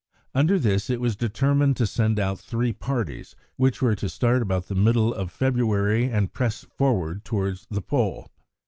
Under this, it was determined to send out three parties, which were to start about the middle of February and press forward towards the Pole.